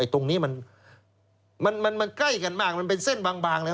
ตรงนี้มันใกล้กันมากมันเป็นเส้นบางเลย